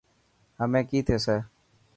همي ڪئي ٿيسي.